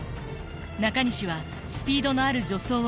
中西はスピードのある助走を更に強化。